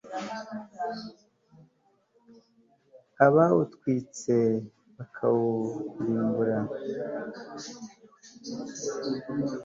abawutwitse bakawurimbura